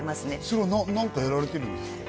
それは何かやられてるんですか？